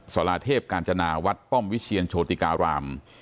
สาราเทพกาญจนาวัดป้อมวิเชียนโชติการาม